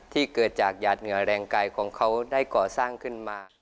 เกิดจากหยาดเหงื่อแรงกายของเขาได้ก่อสร้างขึ้นมา